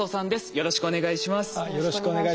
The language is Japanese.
よろしくお願いします。